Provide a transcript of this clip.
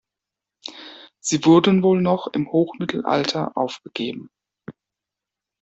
Sie wurden wohl noch im Hochmittelalter aufgegeben.